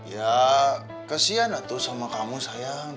ya kesian atuh sama kamu sayang